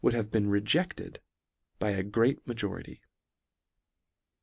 have been rejecled by a great majority.